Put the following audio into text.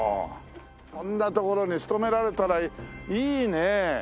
こんなところに勤められたらいいねえ。